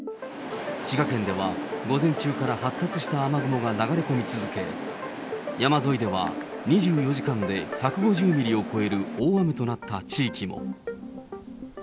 滋賀県では午前中から発達した雨雲が流れ込み続け、山沿いでは２４時間で１５０ミリを超える大雨となった地域も。